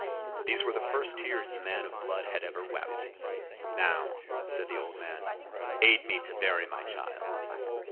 These were the first tears the man of blood had ever wept. "'Now,' said the old man, 'aid me to bury my child.